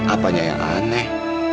apanya yang aneh